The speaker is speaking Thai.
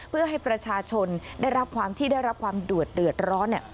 เพื่อให้ประชาชนได้รับความที่ได้รับความเดือดร้อน